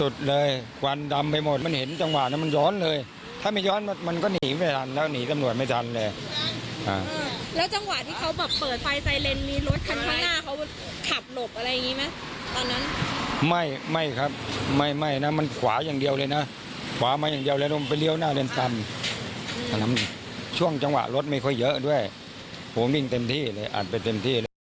ช่วงจังหวะรถไม่ค่อยเยอะด้วยผมวิ่งเต็มที่เลยอัดไปเต็มที่เลย